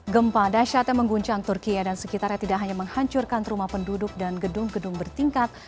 gempa dasyat yang mengguncang turkiye dan sekitarnya tidak hanya menghancurkan rumah penduduk dan gedung gedung bertingkat